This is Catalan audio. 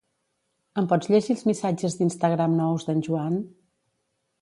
Em pots llegir els missatges d'Instagram nous d'en Joan?